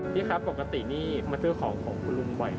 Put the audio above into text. พี่ครับปกตินี่มาซื้อของของคุณลุงบ่อย